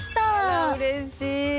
あらうれしい！